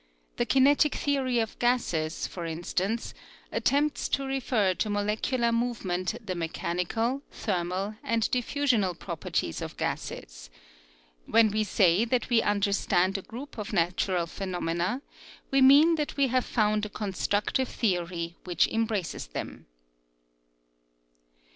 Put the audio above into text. The kinetic theory of gases, for instance, attempts to refer to molecular movement the mechan ical thermal, and diffusional properties of gases. When we say that we understand a group of natural phenomena, we mean that we have found a constructive theory which em braces them.